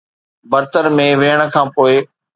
برتن ۾ ويهڻ کان پوء